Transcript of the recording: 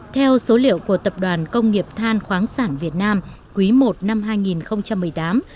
theo số liệu của tập đoàn công nghiệp than khoáng sản việt nam quý i năm hai nghìn một mươi tám